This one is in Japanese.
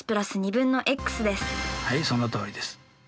はいそのとおりです。